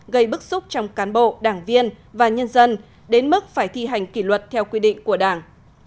gây bức xúc trong cán bộ đảng viên và nhân dân đến mức phải thi hành kỷ luật theo quy định của đảng